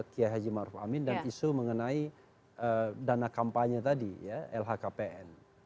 kiah haji ma'ruf amin dan isu mengenai dana kampanye tadi ya lhkpn